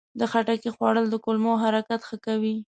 د خټکي خوړل د کولمو حرکت ښه کوي.